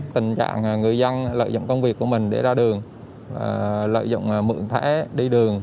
tình trạng người dân lợi dụng công việc của mình để ra đường lợi dụng mượn thẻ đi đường